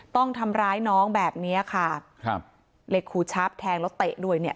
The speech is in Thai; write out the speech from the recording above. ต้องทำร้ายน้องแบบเนี้ยค่ะครับเหล็กขูชับแทงแล้วเตะด้วยเนี่ย